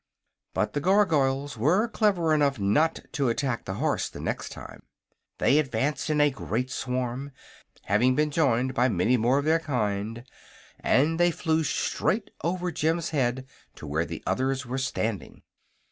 But the Gargoyles were clever enough not to attack the horse the next time. They advanced in a great swarm, having been joined by many more of their kind, and they flew straight over Jim's head to where the others were standing.